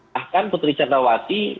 bahkan putri candrawati